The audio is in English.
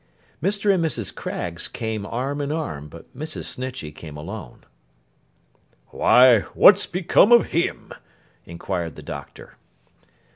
Mr. and Mrs. Craggs came arm in arm, but Mrs. Snitchey came alone. 'Why, what's become of him?' inquired the Doctor.